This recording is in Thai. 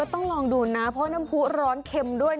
ต้องลองดูนะเพราะน้ำผู้ร้อนเข็มด้วย